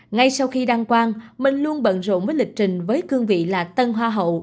ngay sau khi đăng quang mình luôn bận rộn với lịch trình với cương vị là tân hoa hậu